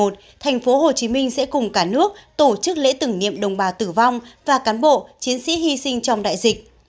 tp hcm sẽ cùng cả nước tổ chức lễ tử nghiệm đồng bào tử vong và cán bộ chiến sĩ hy sinh trong đại dịch